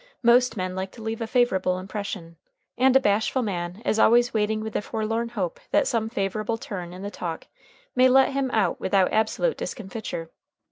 Most men like to leave a favorable impression, and a bashful man is always waiting with the forlorn hope that some favorable turn in the talk may let him out without absolute discomfiture.